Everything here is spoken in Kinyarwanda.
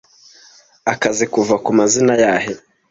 Akazi kuva kumazina yahe